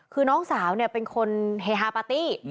คือน้องสาวเป็นคนเฮฮาปาร์ตี้